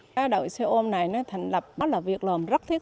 cái đội xe ôm này nó thành lập đó là việc làm rất thiết